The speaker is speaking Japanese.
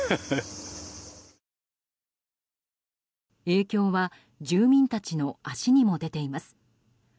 影響は住民たちの足にも出ています。